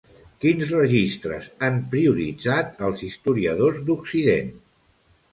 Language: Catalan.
Quins registres han prioritzat els historiadors d'Occident?